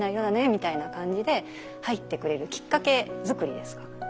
みたいな感じで入ってくれるきっかけづくりですか。